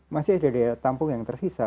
masih ada daya tampung yang tersisa